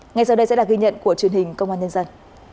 ngay sau đây sẽ là ghi nhận của truyền hình công an nhân dân